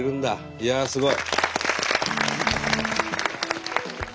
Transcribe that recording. いやあすごい！